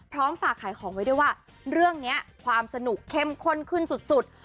ฝากขายของไว้ด้วยว่าเรื่องนี้ความสนุกเข้มข้นขึ้นสุด